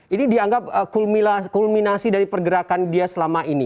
ini dianggap kulminasi dari pergerakan dia selama ini